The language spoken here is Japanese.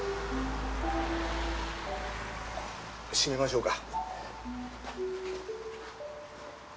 あっ閉めましょうか。